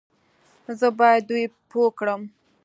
زه بايد دوی پوه کړم